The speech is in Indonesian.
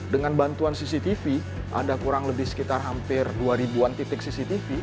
dengan bantuan cctv ada kurang lebih sekitar hampir dua ribu an titik cctv